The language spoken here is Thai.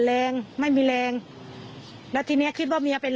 แล้วก็เอาปืนยิงจนตายเนี่ยมันก็อาจจะเป็นไปได้จริง